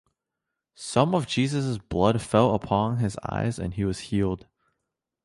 Some of Jesus's blood fell upon his eyes and he was healed.